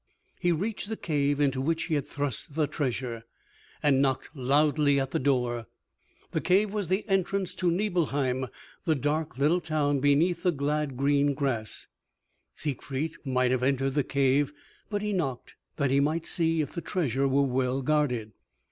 He reached the cave into which he had thrust the treasure, and knocked loudly at the door. The cave was the entrance to Nibelheim the dark, little town beneath the glad, green grass. Siegfried might have entered the cave, but he knocked that he might see if the treasure were well guarded.